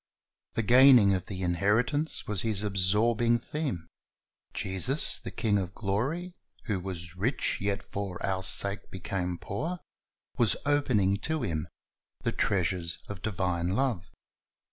The gaining of the inheritance was his absorbing theme. Jesus, the King of gloiy, who was rich, yet for our sake became poor, was opening to him the treasures of divine love.